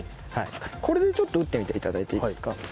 これでちょっと打ってみていただいていいですか？